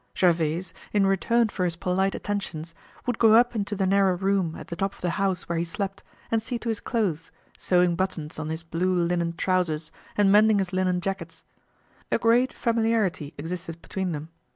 Gervaise, in return for his polite attentions, would go up into the narrow room at the top of the house where he slept, and see to his clothes, sewing buttons on his blue linen trousers, and mending his linen jackets. A great familiarity existed between them.